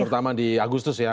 pertama di agustus ya